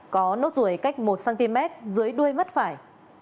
có nốt ruồi cách một cm dưới đuôi mắt phải